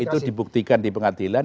itu dibuktikan di pengadilan